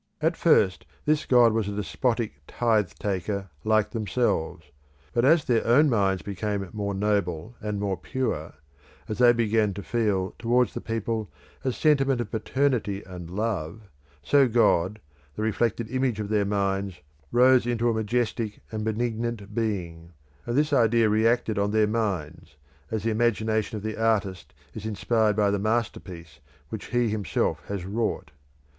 At first this god was a despotic tithe taker like themselves; but as their own minds became more noble, and more pure; as they began to feel towards the people a sentiment of paternity and love, so God, the reflected image of their minds, rose into a majestic and benignant being, and this idea reacted on their minds, as the imagination of the artist is inspired by the masterpiece which he himself has wrought.